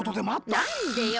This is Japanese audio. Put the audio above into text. なんでよ！